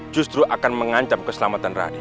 justru akan mengancam keselamatan radi